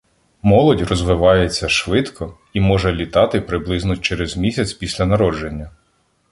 Молодь розвивається швидко і може літати приблизно через місяць після народження.